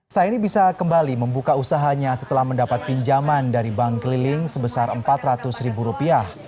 saini bisa kembali membuka usahanya setelah mendapat pinjaman dari bank keliling sebesar empat ratus ribu rupiah